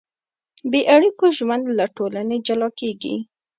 بېاړیکو ژوند له ټولنې جلا کېږي.